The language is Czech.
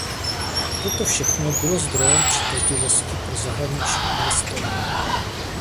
Toto všechno bylo zdrojem přitažlivosti pro zahraniční investory.